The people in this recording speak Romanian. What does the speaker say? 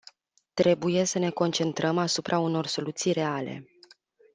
Trebuie să ne concentrăm asupra unor soluții reale.